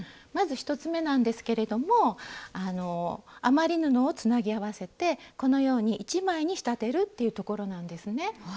まず１つめなんですけれども余り布をつなぎ合わせてこのように１枚に仕立てるっていうところなんですね。